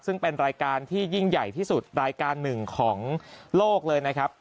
ซึ่งเป็นรายการที่ยิ่งใหญ่ที่สุดรายการหนึ่งของโลกเลยนะครับ